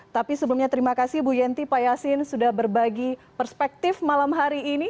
tapi sebelumnya terima kasih bu yenty pak yasin sudah berbagi perspektif malam hari ini